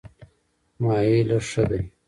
ماهی لږ ښه دی.